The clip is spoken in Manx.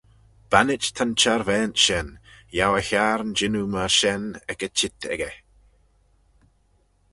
Bannit ta'n çharvaant shen, yiow e hiarn jannoo myr shen, ec y çheet echey.